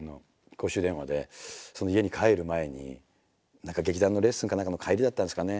公衆電話で家に帰る前に何か劇団のレッスンか何かの帰りだったんですかね